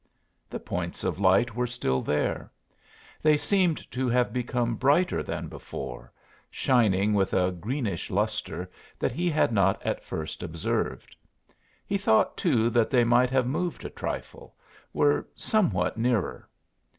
The points of light were still there. They seemed to have become brighter than before, shining with a greenish lustre that he had not at first observed. He thought, too, that they might have moved a trifle were somewhat nearer.